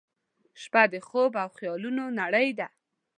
• شپه د خوب او خیالونو نړۍ ده.